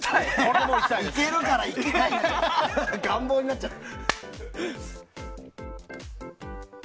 行けるから行けないの願望になっちゃった。